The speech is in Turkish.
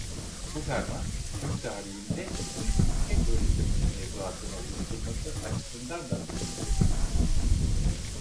Bu ferman Türk tarihinde ilk yükseköğretim mevzuatını oluşturması açısından da mühimdir.